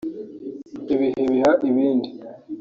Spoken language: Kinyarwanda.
Ibihe biha ibindi